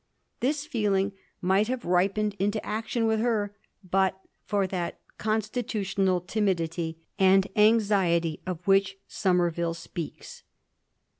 This feeling might have ripened into action with her but for that constitutional timidity and anxiety of which Somerville speaks.